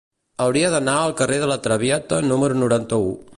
Hauria d'anar al carrer de La Traviata número noranta-u.